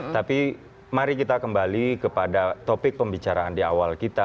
tapi mari kita kembali kepada topik pembicaraan di awal kita